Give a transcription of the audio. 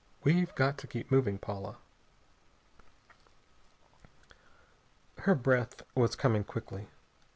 We've got to keep moving, Paula." Her breath was coming quickly.